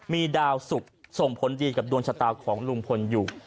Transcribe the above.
มีดาวสุขส่งผลดีกับดวงชะตาของลุงพลอยู่